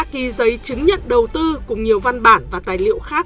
ông nguyễn văn vịnh đã ký giấy chứng nhận đầu tư cùng nhiều văn bản và tài liệu khác